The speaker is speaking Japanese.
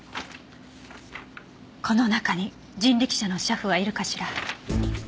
この中に人力車の車夫はいるかしら？